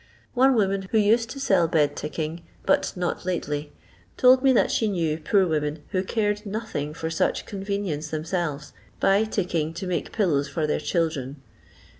One woman who used to sell bed ticking, but not lately, told me that she knew poor women who ' cared nothing fur such convenience themselves, buy ticking to make pillows for their children.